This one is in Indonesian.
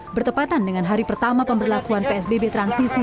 bertepatan dengan hari pertama pemberlakuan psbb transisi